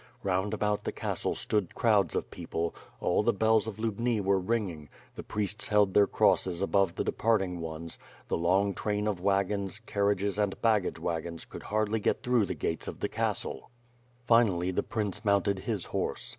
Round about the castle stood crowds of people, all the bells of Lubni were ringing, the priests held their crosses above the departing ones, the long train of wagons, carriages, and baggage wagons could hardly get through the gates of the castle. Finally, the prince mounted his horse.